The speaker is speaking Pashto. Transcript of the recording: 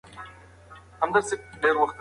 ارتباطي انقلابونه نړۍ سره نښلوي.